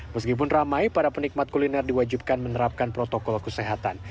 meskipun ramai para penikmat kuliner diwajibkan menerapkan protokol kesehatan